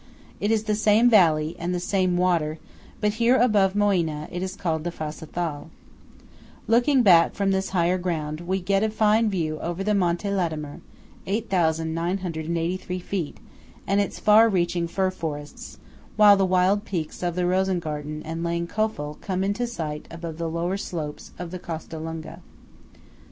It is the same valley, and the same water; but here above Moena, it is called the Fassa Thal. Looking back from this higher ground, we get a fine view over the Monte Latemar (8,983 feet) and its far reaching fir forests; while the wild peaks of the Rosengarten and Lang Kofel come into sight above the lower slopes of Costalunga.